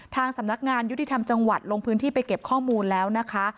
ทางสำนักงานยุติธรรมจังหวัดลงพื้นที่ไปเก็บข้อมูลแล้วนะคะ